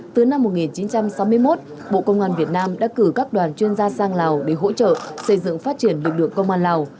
từ năm một nghìn chín trăm sáu mươi một bộ công an việt nam đã cử các đoàn chuyên gia sang lào để hỗ trợ xây dựng phát triển lực lượng công an lào